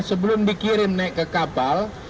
sebelum dikirim naik ke kapal